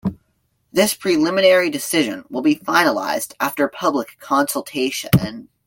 This preliminary decision will be finalised after public consultation.